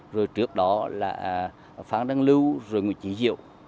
rồi trước đó là phán đăng lưu rồi nguyễn chí diệu